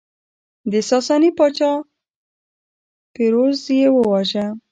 د ساساني پاچا پیروز یې وواژه